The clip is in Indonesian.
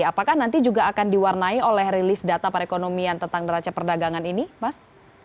apakah nanti juga akan diwarnai oleh rilis data perekonomian tentang neraca perdagangan ini mas